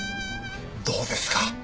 どうですか？